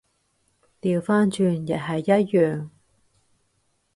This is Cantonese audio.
掉返轉亦係一樣